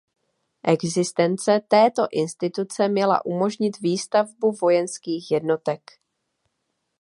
Existence této instituce měla umožnit výstavbu vojenských jednotek.